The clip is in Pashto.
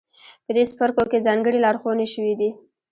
په دې څپرکو کې ځانګړې لارښوونې شوې دي.